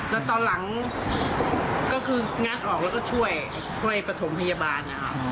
แล้วตอนหลังก็คืองัดออกแล้วก็ช่วยประถมพยาบาล